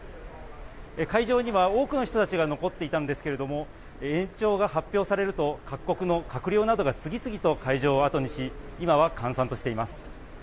会場には多くの人たちが残っていたんですけれども、延長が発表されると、各国の閣僚などが次々と会場を後にし、今は閑散としています。